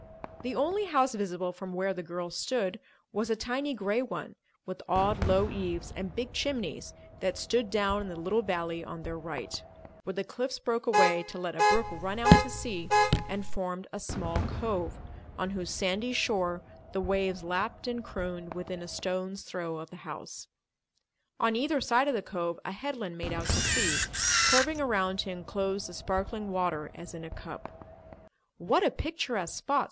The only house visible from where the girls stood was a tiny grey one, with odd, low eaves and big chimneys, that stood down in the little valley on their right, where the cliffs broke away to let a brook run out to sea and formed a small cove, on whose sandy shore the waves lapped and crooned within a stone's throw of the house. On either side of the cove a headland made out to sea, curving around to enclose the sparkling water as in a cup. "What a picturesque spot!"